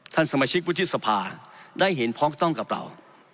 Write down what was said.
สมาชิกวุฒิสภาได้เห็นพ้องต้องกับเรา